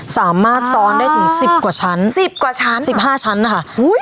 สามารถซ้อนได้ถึงสิบกว่าชั้นสิบกว่าชั้นสิบห้าชั้นนะคะอุ้ย